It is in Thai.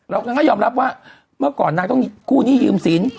นางก็ยอมรับว่าเมื่อก่อนนางต้องกู้หนี้ยืมสิน